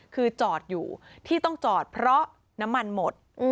คือจอดอยู่ที่ต้องจอดเพราะน้ำมันหมด